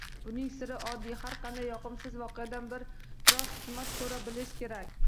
Buning siri oddiy: har qanday yoqimsiz voqeadan biror hikmat ko‘ra bilish kerak.